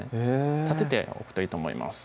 立てておくといいと思います